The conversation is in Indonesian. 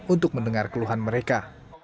untuk mendengar keluhan mereka